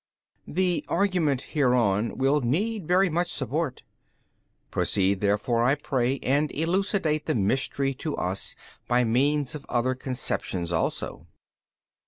B. The argument hereon will need very much support: proceed therefore I pray and elucidate the Mystery to us by means of other conceptions also.